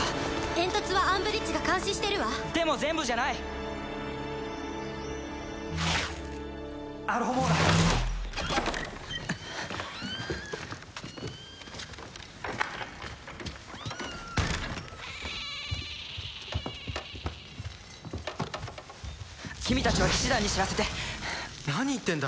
煙突はアンブリッジが監視してるわでも全部じゃないアロホモーラ君たちは騎士団に知らせて何言ってんだ？